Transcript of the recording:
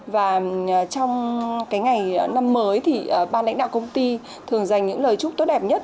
và trong ngày năm mới ban lãnh đạo công ty thường dành những lời chúc tốt đẹp nhất